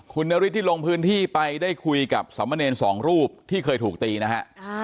คุณนฤทธิที่ลงพื้นที่ไปได้คุยกับสามเณรสองรูปที่เคยถูกตีนะฮะ